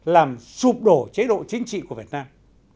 làm sụp đổ chế độ chính trị của việt nam